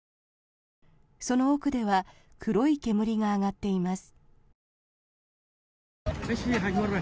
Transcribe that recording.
その奥では黒い煙が上がっています。